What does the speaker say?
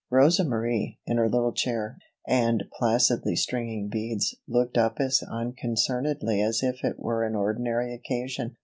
Rosa Marie, in her little chair and placidly stringing beads, looked up as unconcernedly as if it were an ordinary occasion.